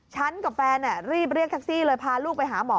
กับแฟนรีบเรียกแท็กซี่เลยพาลูกไปหาหมอ